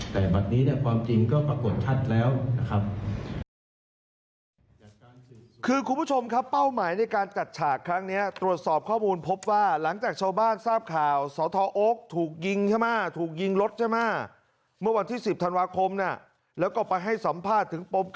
แต่วันนี้ความจริงก็ปรากฏชัดแล้วนะครับ